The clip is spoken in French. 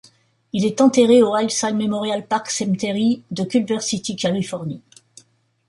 Il est enterré au Hillside Memorial Park Cemetery de Culver City, Californie.